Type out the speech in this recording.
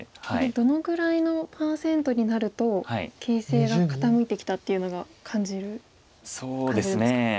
どのぐらいのパーセントになると形勢が傾いてきたっていうのが感じるんですか。